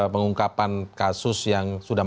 mengungkapkan kasus yang sudah